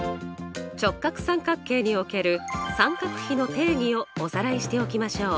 直角三角形における三角比の定義をおさらいしておきましょう。